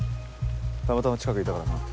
たまたま近くいたからな。